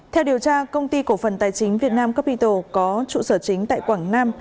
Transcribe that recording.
theo điều tra công ty cổ phần tài chính việt nam capital có trụ sở chính tại quảng nam